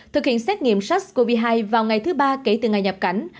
thực hiện xét nghiệm sars cov hai vào ngày thứ ba kể từ ngày nhập cảnh